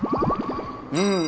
うん。